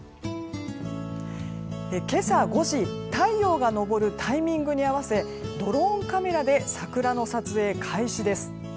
今朝５時、太陽が昇るタイミングに合わせドローンカメラで桜の撮影開始です。